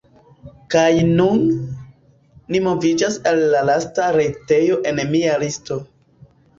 Kaj nun, ni moviĝas al la lasta retejo en mia listo.